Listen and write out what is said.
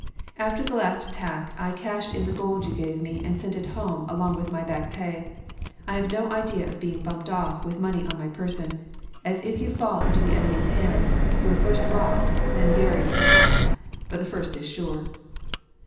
After the last attack I cashed in the gold you gave me and sent it home along with my back pay. I have no idea of being "bumped off" with money on my person, as if you fall into the enemy's hands you are first robbed then buried perhaps, but the first is sure.